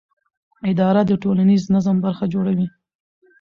اداره د ټولنیز نظم برخه جوړوي.